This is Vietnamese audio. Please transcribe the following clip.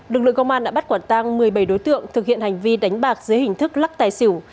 công an đã bắt quản tang một mươi bảy đối tượng thực hiện hành vi đánh bạc dưới hình thức lắc tài xỉu